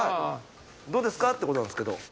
どうですかってことなんですけど。